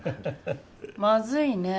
まずいね。